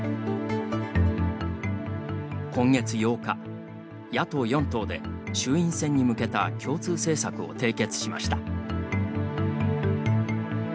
今月８日、野党４党で衆院選に向けた共通政策を締結しました。